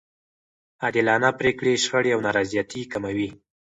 عادلانه پرېکړې شخړې او نارضایتي کموي.